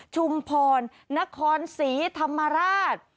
ชุมพรนครศรีธรรมราช